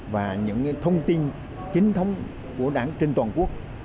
và những thông tin chính thống của đảng trên toàn quốc